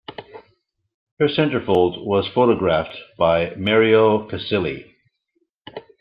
Her centerfold was photographed by Mario Casilli.